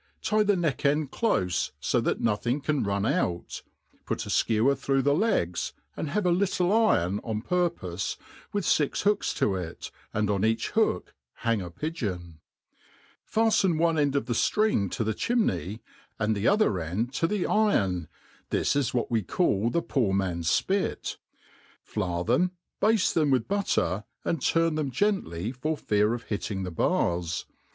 tie tl^e lieck eiid clofe, fo that nothing can rui> put ;^ put a ikewer through the legs^ ^nd have ^ little iron o^ purpofe, vyith fix books to jty and on each hook hang a pigeon ^ faften ope end pf the ftriqg to the chin^ncy, and the other end tq the iroa (this is what we call the ppor man's fpit) ; flour them. baftQ them with butter, and turn them gently for fear of nitting the bars.